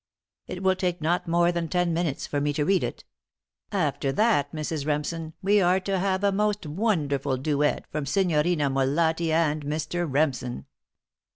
It will take not more than ten minutes for me to read it. After that, Mrs. Remsen, we are to have a most wonderful duet from Signorina Molatti and Mr. Remsen."